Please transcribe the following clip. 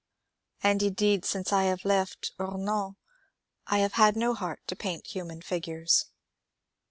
And indeed since I left Omans I have had no heart to paint human figures."